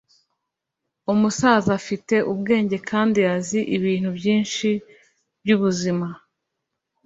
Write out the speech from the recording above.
umusaza afite ubwenge kandi azi ibintu byinshi byubuzima